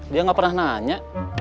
dia enggak pernah nanya